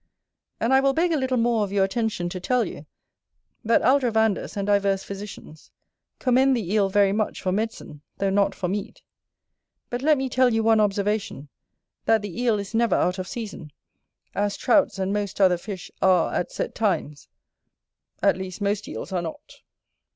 And I will beg a little more of your attention, to tell you, that Aldrovandus, and divers physicians, commend the Eel very much for medicine, though not for meat. But let me tell you one observation, that the Eel is never out of season; as Trouts, and most other fish, are at set times; at least, most Eels are not.